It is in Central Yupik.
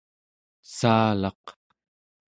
saalaq